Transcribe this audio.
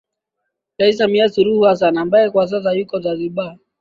Rais Samia Suluhu Hassan ambaye kwa sasa yuko Zanzibar